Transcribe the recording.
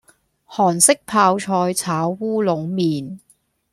韓式泡菜炒烏龍麵